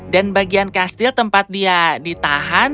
bagian kastil tempat dia ditahan